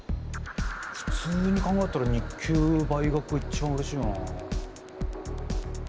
普通に考えたら日給倍額が一番うれしいよなあ。